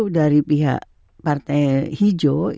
dari pihak partai hijau